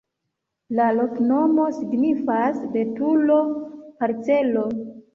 La loknomo signifas: betulo-parcelo.